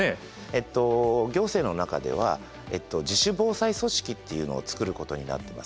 えっと行政の中では自主防災組織っていうのを作ることになっています。